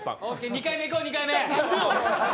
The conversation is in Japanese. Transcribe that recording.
２回目いこう、２回目。